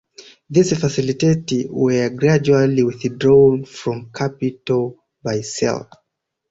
These facilities were gradually withdrawn from capital by sale.